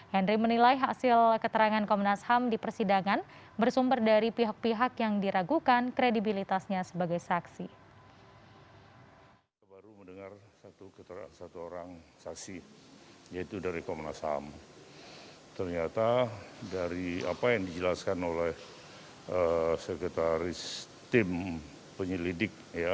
henry menilai hasil keterangan komnas ham di persidangan bersumber dari pihak pihak yang diragukan kredibilitasnya sebagai saksi